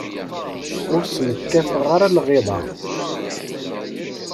Ur sen-kkateɣ ara lɣiḍa.